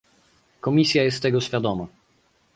Komisja jest tego świadoma